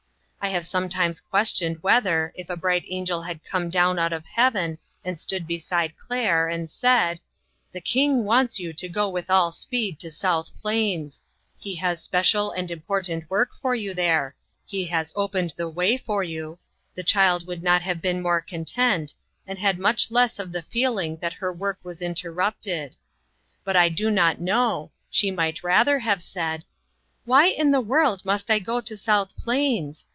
I have sometimes questioned whether, if a bright angel had come down out of heaven and stood beside Claire, and said :" The King wants you to go with all speed to South Plains; he has special and important work for you there; he has opened the way for you," the child would not have been more content, and had much less of the feeling that her work was interrupted. But I do not know, she might rather have said :" Why in the world must I go to South Plains